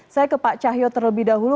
saya ke pak cahyo terlebih dahulu